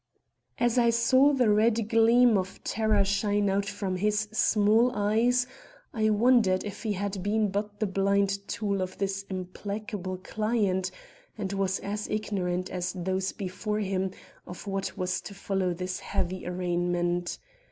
As I saw the red gleam of terror shine out from his small eyes, I wondered if he had been but the blind tool of his implacable client and was as ignorant as those before him of what was to follow this heavy arraignment.